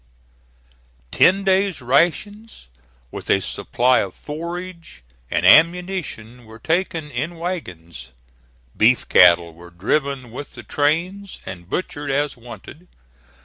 Ten days' rations, with a supply of forage and ammunition were taken in wagons. Beef cattle were driven with the trains, and butchered as wanted.